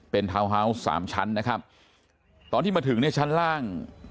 เป็นทาวน์ฮาวส์สามชั้นนะครับตอนที่มาถึงเนี่ยชั้นล่าง